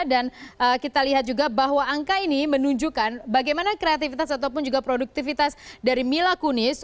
dan kita lihat juga bahwa angka ini menunjukkan bagaimana kreativitas ataupun juga produktivitas dari mila kunis